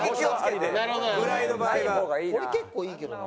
これ結構いいけどな。